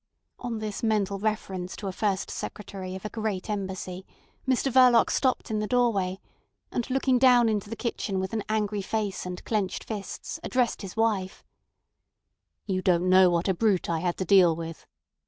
On this mental reference to a First Secretary of a great Embassy, Mr Verloc stopped in the doorway, and looking down into the kitchen with an angry face and clenched fists, addressed his wife. "You don't know what a brute I had to deal with."